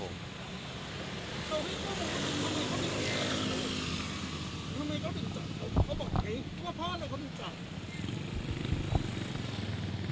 ๑๐วันครับผม